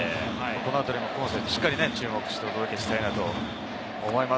そのあたりもしっかり注目してお届けしたいと思います。